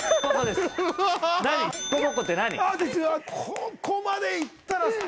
ここまでいったら。